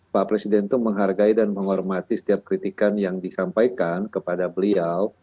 pak presiden itu menghargai dan menghormati setiap kritikan yang disampaikan kepada beliau